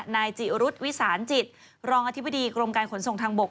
นายจิรุษวิสานจิตรองอธิบดีกรมการขนส่งทางบก